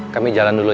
kami jalan dulu